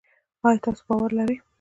آیا تاسو باور لرئ؟